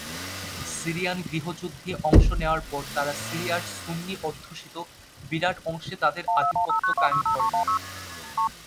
Syrian গৃহযুদ্ধে অংশ নেয়ার পর তারা সিরিয়ার সুন্নি অধ্যুষিত বিরাট অংশে তাদের আধিপত্য কায়েম করে।